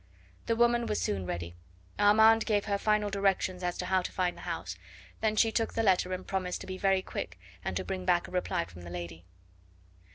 The woman was soon ready. Armand gave her final directions as to how to find the house; then she took the letter and promised to be very quick, and to bring back a reply from the lady.